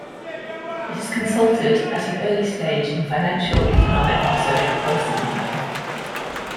It is consulted at an early stage in financial, economic and social policy-making.